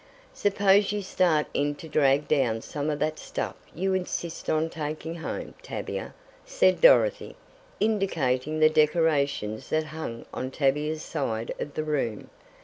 "Suppose you start in to drag down some of that stuff you insist on taking home, Tavia," said Dorothy, indicating the decorations that hung on Tavia's side of the room.